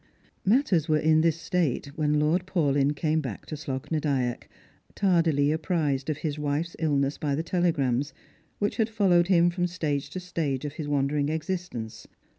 Matters were in this state when Lord Paulyn came back to Slogh na Dyack, tardily apprised of his wife's illness by the telegrams, which had followed him from stage to stage of his wandering existence.